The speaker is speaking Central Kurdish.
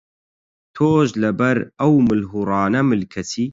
تۆش لەبەر ئەو ملهوڕانە ملکەچی؟